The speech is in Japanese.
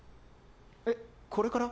えっこれから？